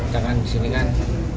karena disini kan